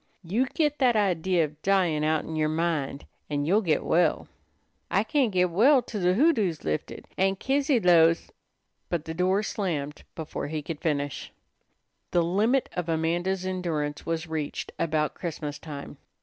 You git that idea of dyin' outen yer mind, and you'll git well." "I can't git well till de hoodoo's lifted. Aunt Kizzy 'lows " But the door was slammed before he could finish. The limit of Amanda's endurance was reached about Christmas time.